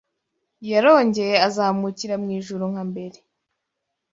yarongeye azamukira mu ijuru nka mbere